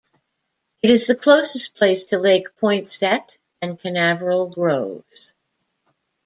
It is the closest place to Lake Poinsett and Canaveral Groves.